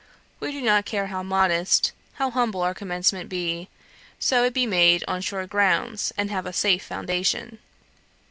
We do not care how modest, how humble our commencement be, so it be made on sure grounds, and have a safe foundation.